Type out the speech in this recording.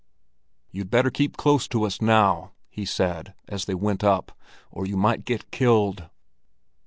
"You'd better keep close to us now," he said, as they went up, "or you might get killed."